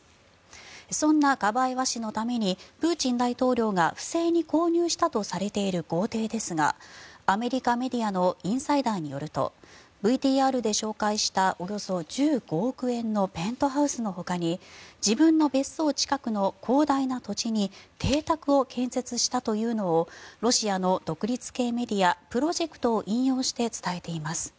そんなカバエワ氏のためにプーチン大統領が不正に購入したとされている豪邸ですがアメリカメディアのインサイダーによるとＶＴＲで紹介したおよそ１５億円のペントハウスのほかに自分の別荘近くの広大な土地に邸宅を建設したというのをロシアの独立系メディアプロジェクトを引用して伝えています。